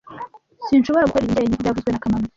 Sinshobora gukora ibi njyenyine byavuzwe na kamanzi